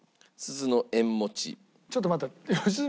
ちょっと待って。